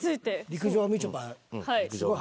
陸上みちょぱ